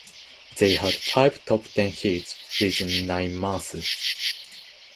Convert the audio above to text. They had five top-ten hits within nine months.